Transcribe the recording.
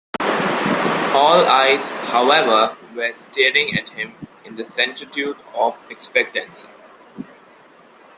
All eyes, however, were staring at him in certitude of expectancy.